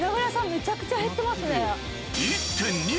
めちゃくちゃ減ってますね。